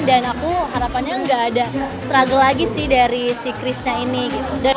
dan aku harapannya gak ada struggle lagi sih dari si qrisnya ini gitu